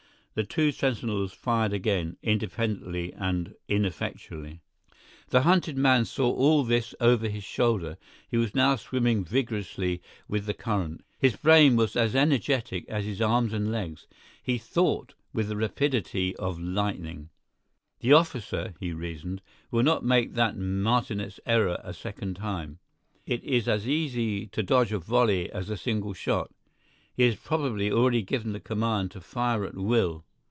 The two sentinels fired again, independently and ineffectually. The hunted man saw all this over his shoulder; he was now swimming vigorously with the current. His brain was as energetic as his arms and legs; he thought with the rapidity of lightning: "The officer," he reasoned, "will not make that martinet's error a second time. It is as easy to dodge a volley as a single shot. He has probably already given the command to fire at will.